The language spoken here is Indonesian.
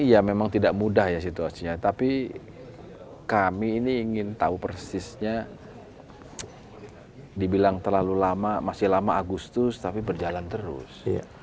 ya memang tidak mudah ya situasinya tapi kami ini ingin tahu persisnya dibilang terlalu lama masih lama agustus tapi berjalan terus